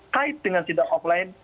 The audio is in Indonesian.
kait dengan sidang offline